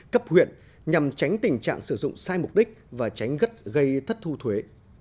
cấp huyện nhằm tránh tình trạng sử dụng sai mục đích và tránh gất gây thất thu thuế